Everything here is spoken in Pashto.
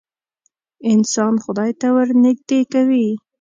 انسان خدای ته ورنیږدې کوې.